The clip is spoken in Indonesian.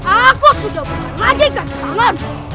aku sudah memanjakan tanganmu